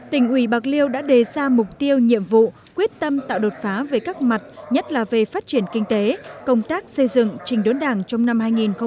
tỉnh ủy bạc liêu đã đề ra mục tiêu nhiệm vụ quyết tâm tạo đột phá về các mặt nhất là về phát triển kinh tế công tác xây dựng trình đốn đảng trong năm hai nghìn hai mươi